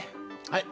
はい。